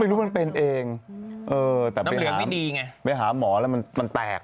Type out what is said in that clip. มันเป็นเองเออแต่ไปหาหมอแล้วมันแตก